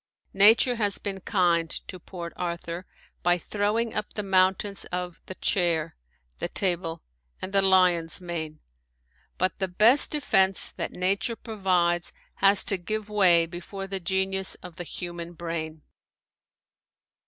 Nature has been kind to Port Arthur by throwing up the mountains of "The Chair," "The Table," and the "Lion's Mane," but the best defense that nature provides has to give way before the genius of the human brain.